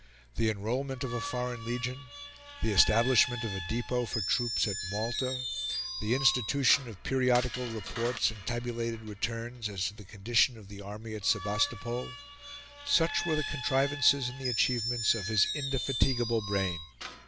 The enrolment of a foreign legion, the establishment of a depot for troops at Malta, the institution of periodical reports and tabulated returns as to the condition of the army at Sebastopol such were the contrivances and the achievements of his indefatigable brain.